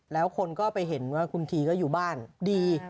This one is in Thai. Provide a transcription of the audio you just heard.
แล้วคนก็ไปเห็นว่าคุณทีก็อยู่บ้านดี